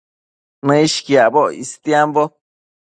Nëishquiacboc istiambo